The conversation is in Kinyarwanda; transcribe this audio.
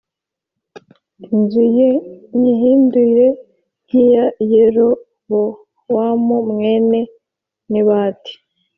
inzu ye nyihindure nk’iya Yerobowamu mwene Nebati